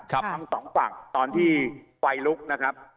ทั้งสองฝั่งตอนที่ไฟลุกนะครับ